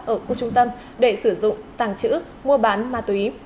ở khu trung tâm để sử dụng tàng trữ mua bán ma túy